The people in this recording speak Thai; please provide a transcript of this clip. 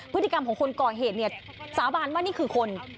พฤติกรรมของคนก่อเหตุเนี่ยสาบานว่านี่คือคน